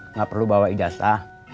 nggak perlu bawa idata